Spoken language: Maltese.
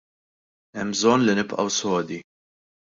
Hemm bżonn li nibqgħu sodi.